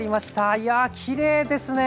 いやきれいですねこれ。